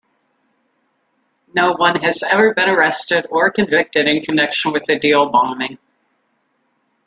No one has ever been arrested or convicted in connection with the Deal bombing.